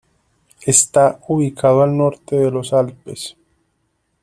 Está ubicado al norte de los Alpes.